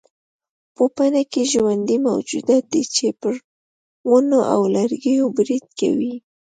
پوپنکي ژوندي موجودات دي چې پر ونو او لرګیو برید کوي.